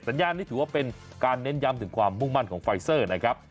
ญาณนี่ถือว่าเป็นการเน้นย้ำถึงความมุ่งมั่นของไฟเซอร์นะครับ